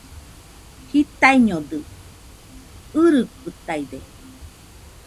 Jitaiñodɨ, irikɨtaide